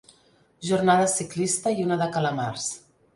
Jornada ciclista i una de calamars.